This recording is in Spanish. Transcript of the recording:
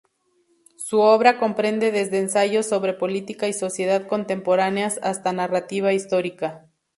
Su obra comprende desde ensayos sobre política y sociedad contemporáneas hasta narrativa histórica.